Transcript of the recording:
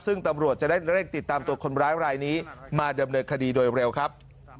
ซึ่งตำรวจจะได้เร่งติดตามตัวคนร้ายรายนี้มาดำเนินคดีโดยเร็วครับ